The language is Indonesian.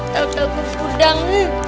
tentang kumpul dang